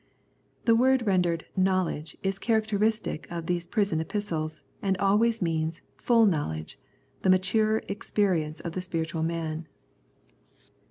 The word rendered " knowledge " is characteristic of these prison epistles, and always means " full knowledge," the mature experience of the spiritual man.